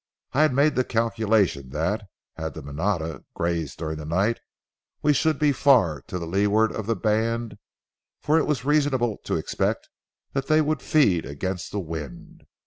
I had made the calculation that, had the manada grazed during the night, we should be far to the leeward of the band, for it was reasonable to expect that they would feed against the wind.